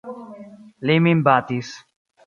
Li min batis.